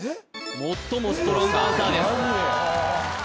最もストロングアンサーですよっしゃ